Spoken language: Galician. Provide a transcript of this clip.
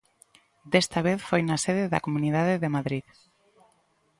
Desta vez foi na sede da Comunidade de Madrid.